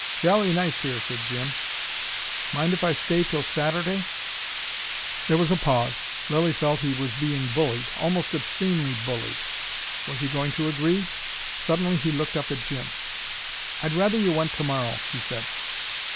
"Jolly nice here," said Jim. "Mind if I stay till Saturday?" There was a pause. Lilly felt he was being bullied, almost obscenely bullied. Was he going to agree? Suddenly he looked up at Jim. "I'd rather you went tomorrow," he said.